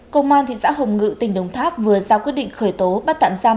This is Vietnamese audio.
công an thị xã hồng ngự tỉnh đồng tháp vừa ra quyết định khởi tố bắt tạm giam